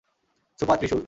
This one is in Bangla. সুপার, ত্রিশূল!